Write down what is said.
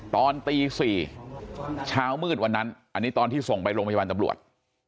ตอนตี๔เช้ามืดวันนั้นอันนี้ตอนที่ส่งไปโรงพยาบาลตำรวจ